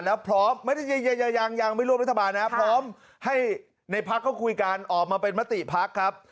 แล้วพร้อมไม่ได้ไม่ยอดลิตรบาลนะพร้อมให้ในพรรคก็คุยกันออกมาเป็นมาตรีพรรคครับ